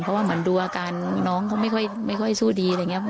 เพราะว่าเหมือนดูอาการน้องเขาไม่ค่อยสู้ดีอะไรอย่างนี้